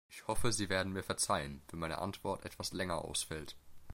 Ich hoffe, Sie werden mir verzeihen, wenn meine Antwort etwas länger ausfällt.